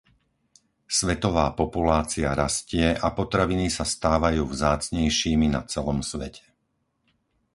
Svetová populácia rastie a potraviny sa stávajú vzácnejšími na celom svete.